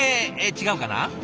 違うかな？